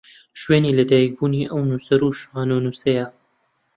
شوێنی لە دایکبوونی ئەو نووسەر و شانۆنووسەیە